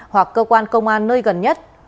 hoặc cơ quan công an nơi gần nhất